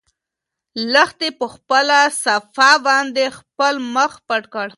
لښتې په خپله صافه باندې خپل مخ پټ کړ.